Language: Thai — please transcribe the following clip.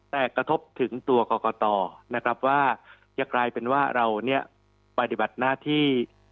แต่กระทบถึงตัวกรกตนะครับว่าจะกลายเป็นว่าเราเนี่ยปฏิบัติหน้าที่